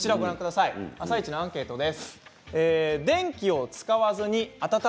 「あさイチ」のアンケートです。